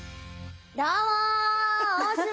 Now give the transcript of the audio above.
どうも！